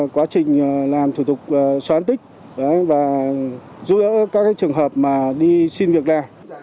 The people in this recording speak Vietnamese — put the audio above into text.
quá trình làm thủ tục soán tích và giúp đỡ các trường hợp mà đi xin việc đe